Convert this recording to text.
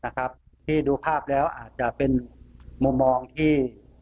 ที่ดูภาพแล้วอาจจะเป็นมุมมองที่